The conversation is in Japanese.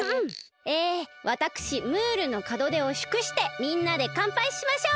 えわたくしムールのかどでをしゅくしてみんなでかんぱいしましょう！